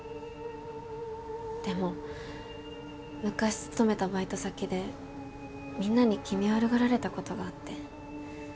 でも昔勤めたバイト先でみんなに気味悪がられたことがあって。